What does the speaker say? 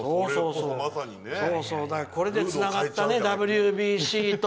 これでつながったね、ＷＢＣと。